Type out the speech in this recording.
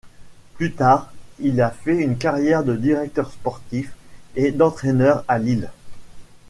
Plus tard, il a fait une carrière de directeur sportif et d'entraîneur à Lille.